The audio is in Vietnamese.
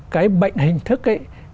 cái bệnh hình thức ấy